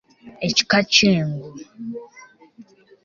Ekika ky'Engo.